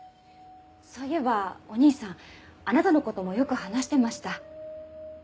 そういえばお兄さんあなたのこともよく話してました。